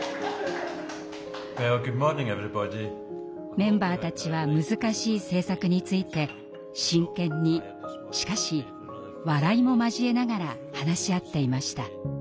メンバーたちは難しい政策について真剣にしかし笑いも交えながら話し合っていました。